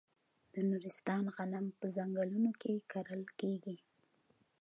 د نورستان غنم په ځنګلونو کې کرل کیږي.